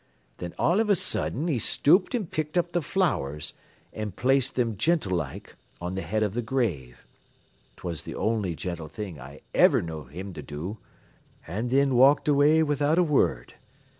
Thin all av a sudden he stooped an' picked up the flowers an' placed thim gentle like on th' head av the grave 'twas the only gentil thing I iver knew him to do an' thin walked away without a word.